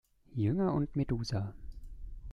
Jünger" und "Medusa".